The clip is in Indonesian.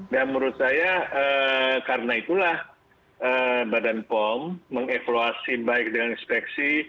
menurut saya karena itulah badan pom mengevaluasi baik dengan inspeksi